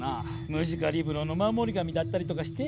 ムジカリブロの守り神だったりとかして？